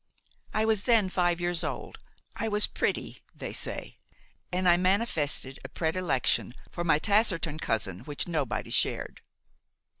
I was then five years old. I was pretty, they say, and I manifested a predilection for my taciturn cousin which nobody shared.